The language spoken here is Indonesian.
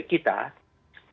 ibu menteri luar negara